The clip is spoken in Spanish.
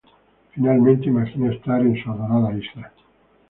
Finalmente imagina estar en su adorada isla.